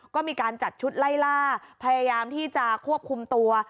ก็มีการจัดชุดไล่ล่าพยายามที่จะควบคุมตัว